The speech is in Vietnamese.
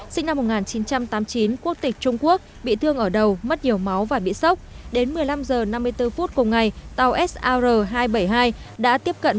sinh năm một nghìn chín trăm tám mươi chín quốc tịch trung quốc bị thương ở đầu mất nhiều máu và bị sốc đến một mươi năm h năm mươi bốn phút cùng ngày tàu sir hai trăm bảy mươi hai đã tiếp cận